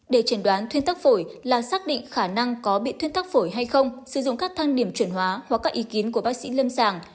để chuẩn đoán thuyên tắc phổi là xác định khả năng có bị thuyên tắc phổi hay không sử dụng các thang điểm chuyển hóa hoặc các ý kiến của bác sĩ lâm sàng